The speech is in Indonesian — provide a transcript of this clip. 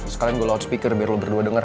sekalian gue loudspeaker biar lo berdua denger